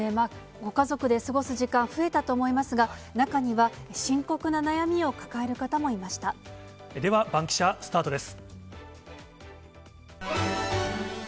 ご家族で過ごす時間、増えたと思いますが、中には、では、バンキシャ、スタートです。